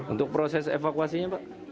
untuk proses evakuasinya pak